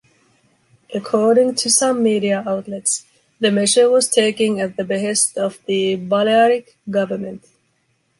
According to some media outlets, the measure was taken at the behest of the Balearic government.